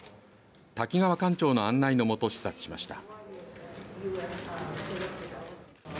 滝川館長の案内のもと視察しました。